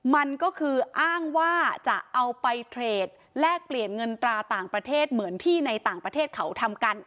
มันก็คืออ้างว่าจะเอาไปเทรดแลกเปลี่ยนเงินตราต่างประเทศเหมือนที่ในต่างประเทศเขาทำกัน